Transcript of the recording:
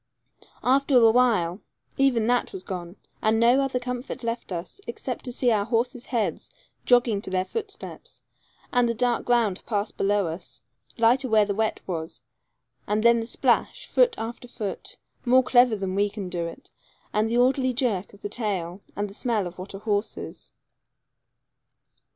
After awhile even that was gone, and no other comfort left us except to see our horses' heads jogging to their footsteps, and the dark ground pass below us, lighter where the wet was; and then the splash, foot after foot, more clever than we can do it, and the orderly jerk of the tail, and the smell of what a horse is.